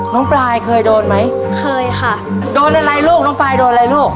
ปลายเคยโดนไหมเคยค่ะโดนอะไรลูกน้องปลายโดนอะไรลูก